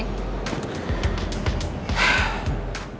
gimana udah dapet kabar dari putri